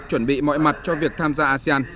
chuẩn bị mọi mặt cho việc tham gia asean